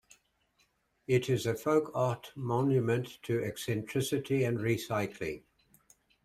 It is a folk art monument to eccentricity and recycling.